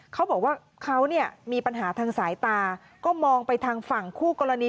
เขาบอกว่าเขาเนี่ยมีปัญหาทางสายตาก็มองไปทางฝั่งคู่กรณี